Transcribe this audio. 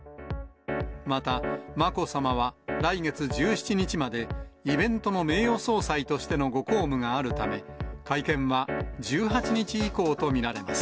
また、まこさまは来月１７日までイベントの名誉総裁としてのご公務があるため、会見は１８日以降と見られます。